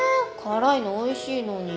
辛いのおいしいのに。